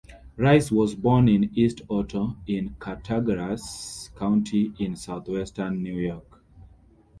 Rice was born in East Otto in Cattaraugus County in southwestern New York.